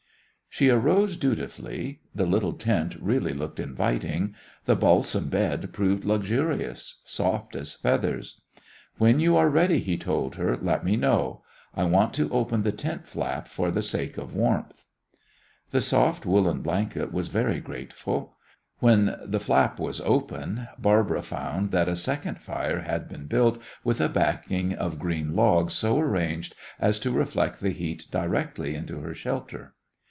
She arose dutifully. The little tent really looked inviting. The balsam bed proved luxurious, soft as feathers. "When you are ready," he told her, "let me know. I want to open the tent flap for the sake of warmth." The soft woollen blanket was very grateful. When the flap was open, Barbara found that a second fire had been built with a backing of green logs so arranged as to reflect the heat directly into her shelter.